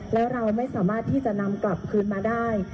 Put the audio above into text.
แล้วเราไม่สามารถที่จะนำกลับคืนมาได้